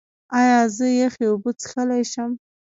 ایا زه یخې اوبه څښلی شم؟